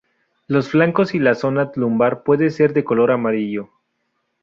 Los flancos y la zona lumbar puede ser de color amarillo.